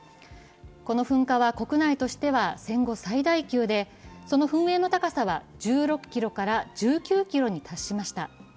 この噴火は国内としては戦後最大級でその噴煙の高さは１６ｋｍから１９ｋｍに達しました。